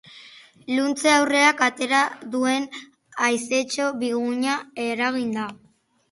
Iluntze aurreak atera duen haizetxo bigunak eraginda.